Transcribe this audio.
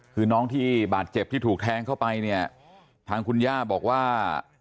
คือน้องที่บาดเจ็บที่ถูกแทงเข้าไปเนี่ยทางคุณย่าบอกว่า